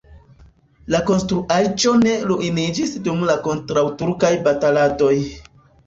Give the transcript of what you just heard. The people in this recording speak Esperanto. La konstruaĵo ne ruiniĝis dum la kontraŭturkaj bataladoj.